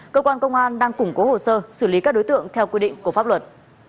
cơ quan công an đang củng cố hồ sơ xử lý các đối tượng theo quy định của pháp luật